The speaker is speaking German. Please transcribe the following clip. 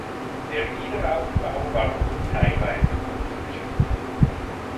Der Wiederaufbau war nur teilweise fortgeschritten.